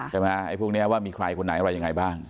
ไอ้พวกนี้ว่ามีใครคนไหนอะไรยังไงบ้าง